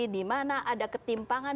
di mana ada ketimpangan